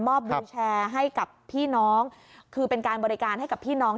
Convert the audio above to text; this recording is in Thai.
วิวแชร์ให้กับพี่น้องคือเป็นการบริการให้กับพี่น้อง